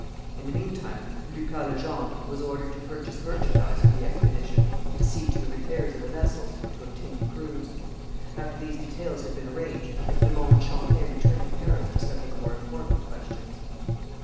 In the meantime Lucas Legendre was ordered to purchase merchandise for the expedition, to see to the repairs of the vessels, and to obtain crews. After these details had been arranged de Monts and Champlain returned to Paris to settle the more important questions.